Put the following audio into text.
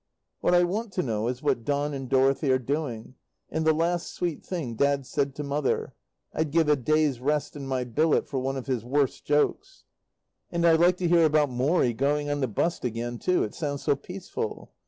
What I want to know is what Don and Dorothy are doing, and the last sweet thing Dad said to Mother I'd give a day's rest in my billet for one of his worst jokes. And I like to hear about Morrie going on the bust again, too it sounds so peaceful.